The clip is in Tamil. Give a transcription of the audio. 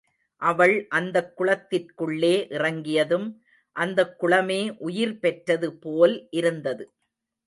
அவள் அந்தக் குளத்திற்குள்ளே இறங்கியதும் அந்தக் குளமே உயிர்பெற்றது போல் இருந்தது.